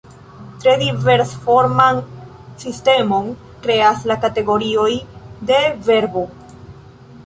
Tre diversforman sistemon kreas la kategorioj de verbo.